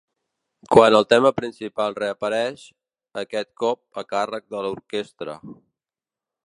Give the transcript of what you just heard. Quan el tema principal reapareix, aquest cop a càrrec de l'orquestra.